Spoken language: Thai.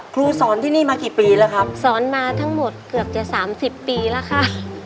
ครูสอนที่นี่มากี่ปีแล้วครับสอนมาทั้งหมดเกือบจะสามสิบปีแล้วค่ะ